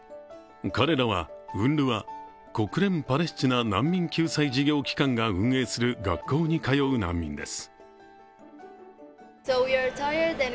彼らはＵＮＲＷＡ＝国連パレスチナ難民救済事業機関が運営する学校に通う難民です。